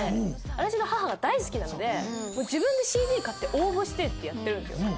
私の母が大好きなので自分でＣＤ買って応募してってやってるんですよ。